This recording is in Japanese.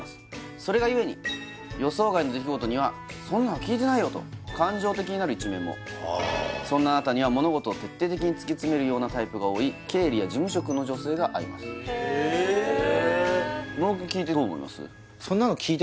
それがゆえに予想外の出来事には「そんなの聞いてないよ」と感情的になる一面もそんなあなたには物事を徹底的に突き詰めるようなタイプが多い経理や事務職の女性が合いますへえああ